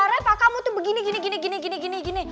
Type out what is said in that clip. reva kamu tuh begini begini begini begini begini